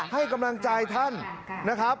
ให้กำลังใจท่านนะครับ